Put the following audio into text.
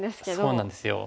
そうなんですよ。